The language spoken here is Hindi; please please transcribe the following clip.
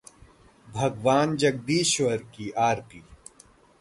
भगवान जगदीश्वर की आरती